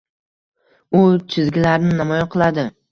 U chizgilarini namoyon qiladi.